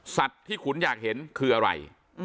สัตว์ที่ขุนอยากเห็นคืออะไร